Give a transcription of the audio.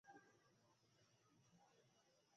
নিয়ে যাও একে!